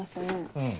うん。